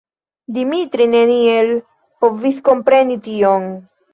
Dimitri neniel povis kompreni tion.